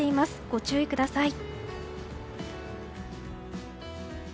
ご注意ください。